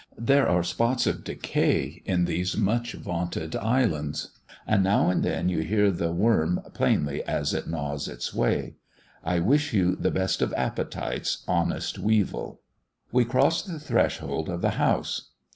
There are spots of decay in these much vaunted islands; and now and then you hear the worm plainly as it gnaws its way. I wish you the best of appetites, honest weevil! We cross the threshold of the house.